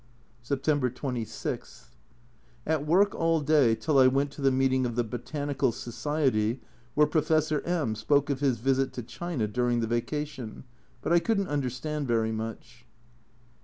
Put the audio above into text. September 26. At work all day till I went to the meeting of the Botanical Society where Professor M spoke of his visit to China during the vacation, but I couldn't understand very much.